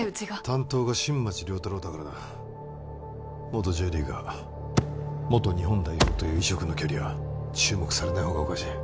担当が新町亮太郎だからな元Ｊリーガー元日本代表という異色のキャリア注目されない方がおかしい